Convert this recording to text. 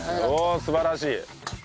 素晴らしい。